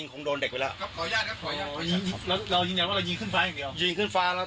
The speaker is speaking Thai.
ผมขอโทษผมไม่ได้ตั้งใจครับ